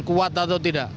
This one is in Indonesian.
kuat atau tidak